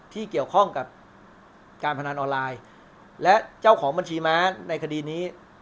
ที่เกี่ยวข้องกับการพนันออนไลน์และเจ้าของบัญชีม้าในคดีนี้